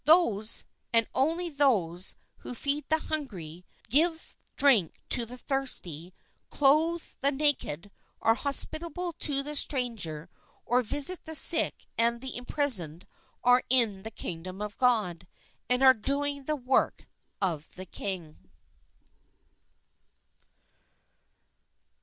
Those, and only those, who feed the hungry, give drink to the thirsty, clothe the naked, are hospitable to the stranger, or visit the sick and the imprisoned are in the Kingdom of God and are doing the work of the King.